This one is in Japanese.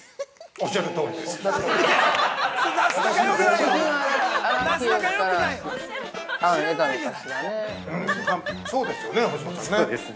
◆おっしゃるとおりです。